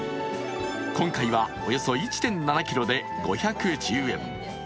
今回はおよそ１．７ｋｍで５１０円。